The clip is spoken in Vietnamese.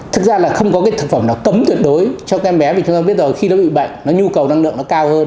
thực ra là không có cái thực phẩm nào cấm tuyệt đối cho các em bé vì chúng ta biết rồi khi nó bị bệnh nó nhu cầu năng lượng nó cao hơn